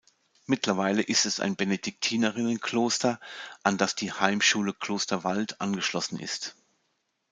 Mittlerweile ist es ein Benediktinerinnenkloster, an das die Heimschule Kloster Wald angeschlossen ist.